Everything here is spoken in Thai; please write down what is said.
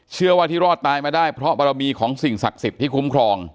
เชื่อว่าที่รอดตายมาได้เพราะบารมีของสิ่งศักดิ์สิทธิ์ที่คุ้มครอง